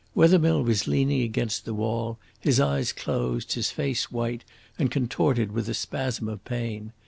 Wethermill was leaning against the wall, his eyes closed, his face white and contorted with a spasm of pain.